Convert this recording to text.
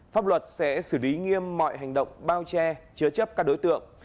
pháp luật sẽ xử lý nghiêm mọi hành động bao che chứa chấp các đối tượng